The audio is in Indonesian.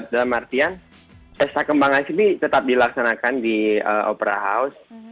dalam artian pesta kembangan ini tetap dilaksanakan di opera house